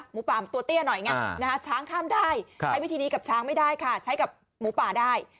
หมูป่าตัวเตี้ยหน่อยไงช้างข้ามได้ใช้วิธีนี้กับช้างไม่ได้ค่ะใช้กับหมูป่าได้